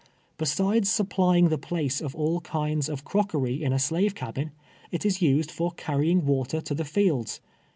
Besides supplying the place of all kinds of crockery in a slave cabin, it is used for carrying water to the fields.